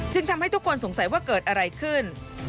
ทำให้ทุกคนสงสัยว่าเกิดอะไรขึ้น